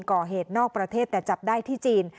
ก่อเหตุนอกประเทศแต่จับได้ที่จีน